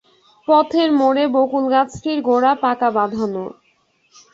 পথের মোড়ে বকুলগাছটির গোড়া পাকা বাধানো।